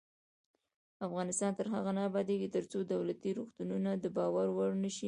افغانستان تر هغو نه ابادیږي، ترڅو دولتي روغتونونه د باور وړ نشي.